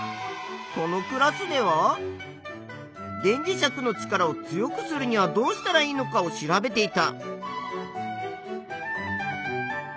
このクラスでは電磁石の力を強くするにはどうしたらいいのかを調べていた。